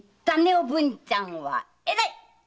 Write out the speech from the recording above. おぶんちゃんはえらいっ！